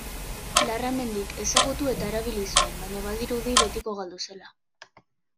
Larramendik ezagutu eta erabili zuen, baina badirudi betiko galdu zela.